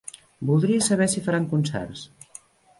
Voldria saber si faran concerts.